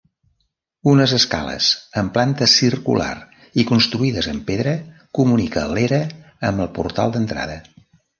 Unes escales, amb planta circular i construïdes amb pedra, comunica l'era amb el portal d'entrada.